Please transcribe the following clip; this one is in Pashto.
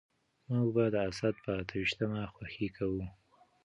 موږ به د اسد په اته ويشتمه خوښي کوو.